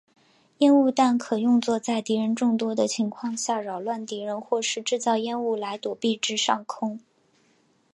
烟雾弹可用作在敌人众多的情况下扰乱敌人或是制造烟雾来躲避至上空。